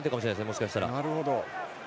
もしかしたら。